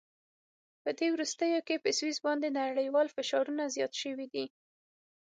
په دې وروستیو کې په سویس باندې نړیوال فشارونه زیات شوي دي.